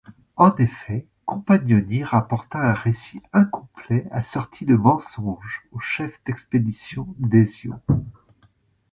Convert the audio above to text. En effet, Compagnoni rapporta un récit incomplet assorti de mensonges au chef d'expédition Desio.